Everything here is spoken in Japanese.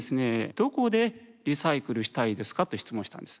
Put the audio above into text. どこでリサイクルしたいですかと質問したんです。